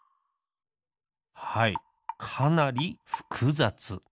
はいかなりふくざつ。